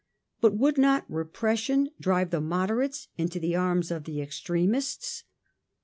But would not repression drive the moderates into the arms of the extremists